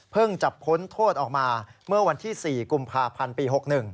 จะพ้นโทษออกมาเมื่อวันที่๔กุมภาพันธ์ปี๖๑